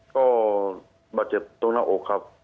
ก็บาดเจ็บตรงหน้าอกครับ